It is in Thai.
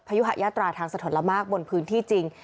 ยุหะยาตราทางสะทนละมากบนพื้นที่จริง